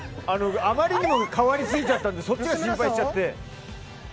あまりにも変わりすぎちゃってそっちを心配しちゃって。